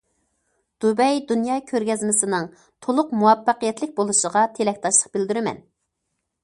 دۇبەي دۇنيا كۆرگەزمىسىنىڭ تولۇق مۇۋەپپەقىيەتلىك بولۇشىغا تىلەكداشلىق بىلدۈرىمەن.